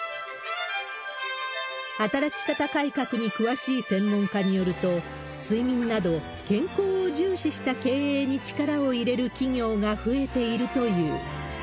働き方改革に詳しい専門家によると、睡眠など、健康を重視した経営に力を入れる企業が増えているという。